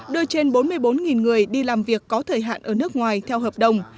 đưa trên bốn mươi bốn người đi làm việc có thời hạn ở nước ngoài theo hợp đồng